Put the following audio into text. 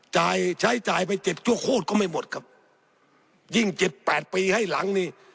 ใช้ใช้จ่ายไปเจ็บชั่วโคตรก็ไม่หมดครับยิ่งเจ็ดแปดปีให้หลังนี่